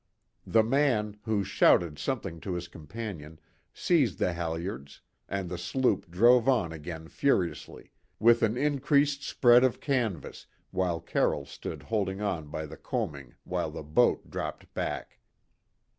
The man, who shouted something to his companion, seized the halliards; and the sloop drove on again furiously; with an increased spread of canvas, while Carroll stood holding on by the coaming while the boat dropped back.